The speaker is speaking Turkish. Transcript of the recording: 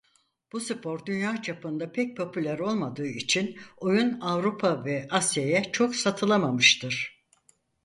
Bu spor dünya çapında pek popüler olmadığı için oyun Avrupa ve Asya'ya çok satılamamıştır.